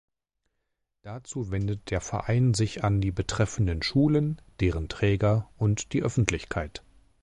Dazu wendet der Verein sich an die betreffenden Schulen, deren Träger und die Öffentlichkeit.